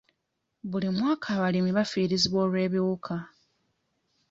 Buli mwaka abalimi bafiirizibwa olw'ebiwuka.